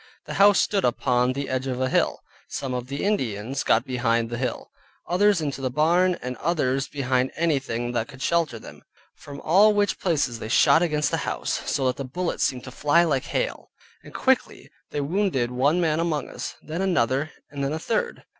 The house stood upon the edge of a hill; some of the Indians got behind the hill, others into the barn, and others behind anything that could shelter them; from all which places they shot against the house, so that the bullets seemed to fly like hail; and quickly they wounded one man among us, then another, and then a third.